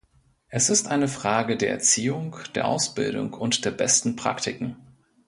Es ist eine Frage der Erziehung, der Ausbildung und der besten Praktiken.